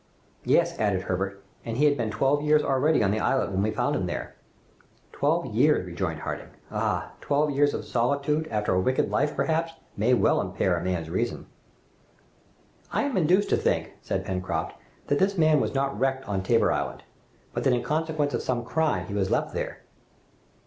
"Yes!" added Herbert, "and he had been twelve years already on the islet when we found him there!" "Twelve years!" rejoined Harding. "Ah! twelve years of solitude, after a wicked life, perhaps, may well impair a man's reason!" "I am induced to think," said Pencroft, "that this man was not wrecked on Tabor Island, but that in consequence of some crime he was left there."